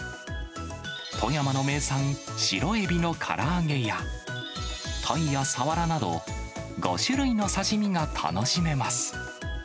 富山の名産、白エビのから揚げや、タイやサワラなど、５種類の刺身が楽しめます。